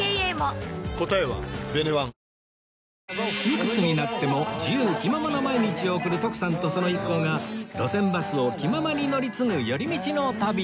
いくつになっても自由気ままな毎日を送る徳さんとその一行が路線バスを気ままに乗り継ぐ寄り道の旅